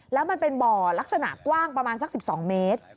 แล้วมันเป็นบ่อลักษณะกว้างประมาณสัก๑๒เมตร